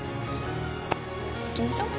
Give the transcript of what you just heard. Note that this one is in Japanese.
行きましょう。